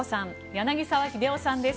柳澤秀夫さんです。